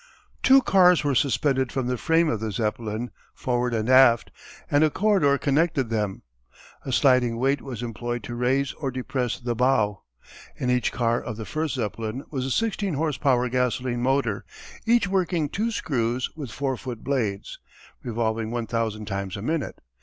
Two cars were suspended from the frame of the Zeppelin, forward and aft, and a corridor connected them. A sliding weight was employed to raise or depress the bow. In each car of the first Zeppelin was a sixteen horse power gasoline motor, each working two screws, with four foot blades, revolving one thousand times a minute.